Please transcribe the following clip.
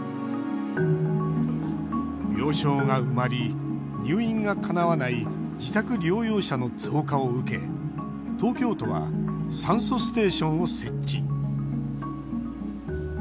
病床が埋まり、入院がかなわない自宅療養者の増加を受け東京都は酸素ステーションを設置。